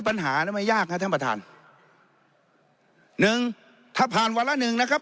ปัญหานั้นไม่ยากฮะท่านประธานหนึ่งถ้าผ่านวันละหนึ่งนะครับ